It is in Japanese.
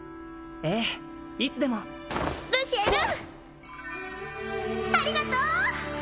ええいつでもルシエルありがとう！